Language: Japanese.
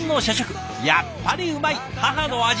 やっぱりうまい母の味。